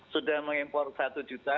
sudah mengimpor satu juta